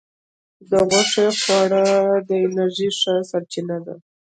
د غوښې خواړه د انرژی ښه سرچینه ده.